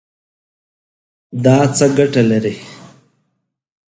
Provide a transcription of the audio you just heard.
دا څه ګټه لري؟